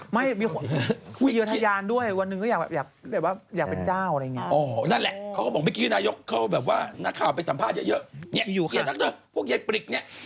ไม่ชอบเปล่าหูอะไรแบบนี้